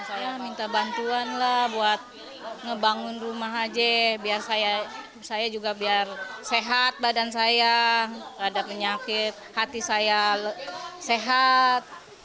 saya minta bantuan lah buat ngebangun rumah aja biar saya juga biar sehat badan saya ada penyakit hati saya sehat